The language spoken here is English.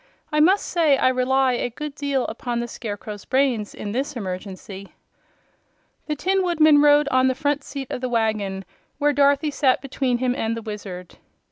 I must say I rely a great deal upon the Scarecrow's brains in this emergency." The Tin Woodman rode on the front seat of the wagon, where Dorothy sat between him and the Wizard.